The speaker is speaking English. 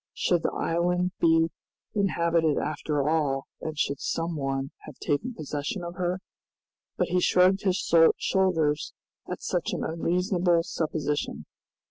Should the island be inhabited after all, and should some one have taken possession of her? But he shrugged his shoulders at such an unreasonable supposition.